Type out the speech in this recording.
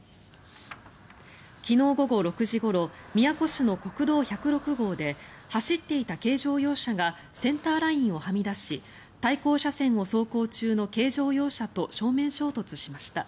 昨日午後６時ごろ宮古市の国道１０６号で走っていた軽乗用車がセンターラインをはみ出し対向車線を走行中の軽乗用車と正面衝突しました。